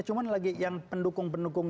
cuma lagi yang pendukung pendukung